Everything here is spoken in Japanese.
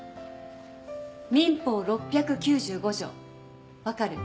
民法６９５条分かる？